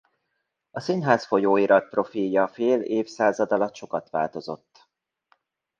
A Színház folyóirat profilja fél évszázad alatt sokat változott.